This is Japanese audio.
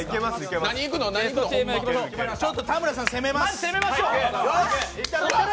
ちょっと田村さん、攻めます。